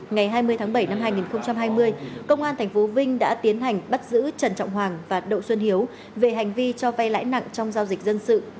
ngày hai mươi tháng bảy năm hai nghìn hai mươi công an tp vinh đã tiến hành bắt giữ trần trọng hoàng và đậu xuân hiếu về hành vi cho vay lãi nặng trong giao dịch dân sự